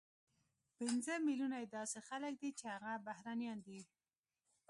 پنځه ملیونه یې داسې خلک دي چې هغه بهرنیان دي،